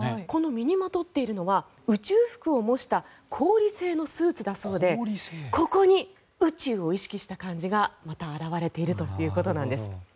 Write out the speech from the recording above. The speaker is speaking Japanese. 身にまとっているのは宇宙服を模した氷製のスーツだそうでここに宇宙を意識した感じが表れているということです。